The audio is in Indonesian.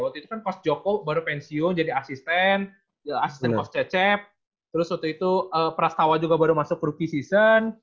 waktu itu kan pas joko baru pensiun jadi asisten asisten pos cecep terus waktu itu prastawa juga baru masuk grupy season